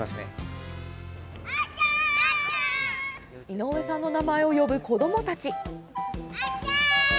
井上さんの名前を呼ぶ子どもたち。